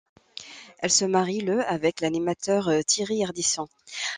Elle se marie le avec l'animateur Thierry Ardisson.